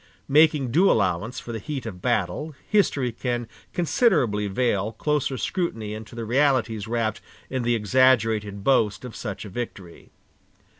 Making due allowance for the heat of battle, history can considerately veil closer scrutiny into the realities wrapped in the exaggerated boast of such a victory.